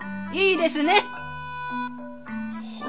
いいですね！